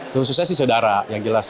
khususnya sih saudara yang jelas